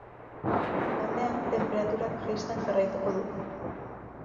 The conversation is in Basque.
Igandean tenperaturak jaisten jarraituko du.